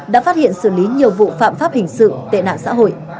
đã phát hiện xử lý nhiều vụ phạm pháp hình sự tệ nạn xã hội